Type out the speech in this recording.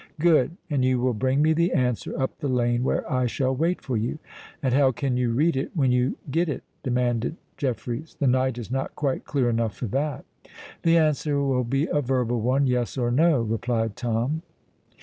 "Good. And you will bring me the answer up the lane, where I shall wait for you." "And how can you read it, when you get it?" demanded Jeffreys. "The night is not quite clear enough for that." "The answer will be a verbal one—yes or no," replied Tom.